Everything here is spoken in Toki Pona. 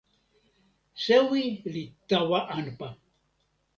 sewi li tawa anpa.